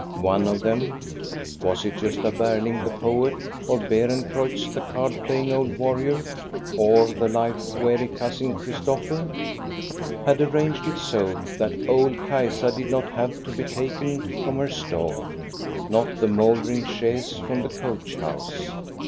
One of them — was it Gosta Berling, the poet, or Beerencreutz, the card playing old warrior, or the life weary Cousin Christopher? — had arranged it so that old Kajsa did not have to be taken from her stall, nor the mouldering chaise from the coach house.